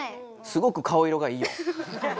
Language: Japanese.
すごく顔色がいいよ。